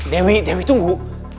dewi dewi tunggu